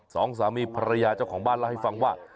สองสามีภรรยาเจ้าของบ้านเล่าให้ฟังว่า